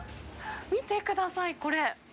見てください、これ。